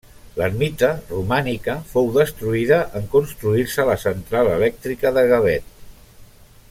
L'ermita, romànica, fou destruïda en construir-se la central elèctrica de Gavet.